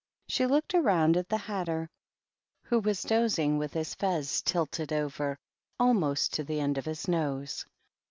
She looked round at ' Hatter, who was dozing, with his fez tilted o almost to the end of his nose.